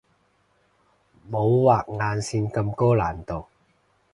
冇畫眼線咁高難度